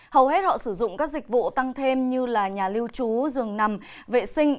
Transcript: hầu hết họ sử dụng các dịch vụ tăng thêm như nhà lưu trú giường nằm vệ sinh